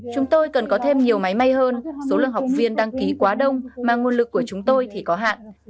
chúng tôi cần có thêm nhiều máy may hơn số lượng học viên đăng ký quá đông mà nguồn lực của chúng tôi thì có hạn